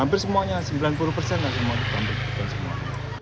hampir semuanya sembilan puluh persen lah semuanya